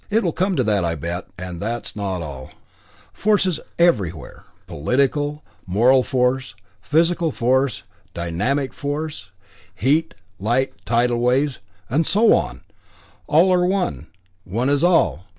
It will come to that, I bet, and that is not all. Force is force, everywhere. Political, moral force, physical force, dynamic force, heat, light, tidal waves, and so on all are one, all is one.